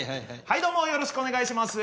はいどうもよろしくお願いします。